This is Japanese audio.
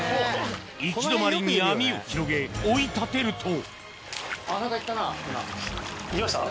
行き止まりに網を広げ追い立てると行きました？